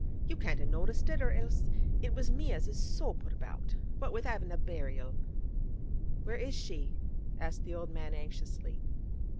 You can't a noticed it, or else it was me as is so put about. What with havin' a burial—' 'Where is she?' asked the old man anxiously.